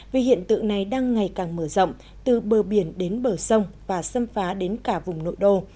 vì hiện tượng này đang ngày càng mở rộng từ bờ biển đến bờ sông và xâm phá đến cả vùng nội đô